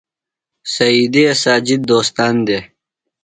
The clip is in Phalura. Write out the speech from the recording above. سعیدے ساجد دوستان دےۡ۔